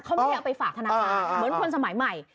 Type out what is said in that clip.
เขาไม่เอาไปฝากค่ะนะคะเหมือนคนสมัยใหม่